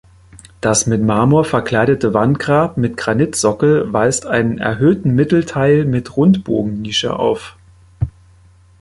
Das mit Marmor verkleidete Wandgrab mit Granitsockel weist einen erhöhten Mittelteil mit Rundbogennische auf.